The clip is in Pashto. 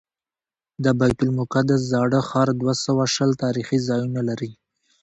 د بیت المقدس زاړه ښار دوه سوه شل تاریخي ځایونه لري.